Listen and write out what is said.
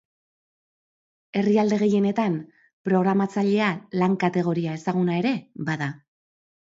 Herrialde gehienetan, programatzailea lan kategoria ezaguna ere bada.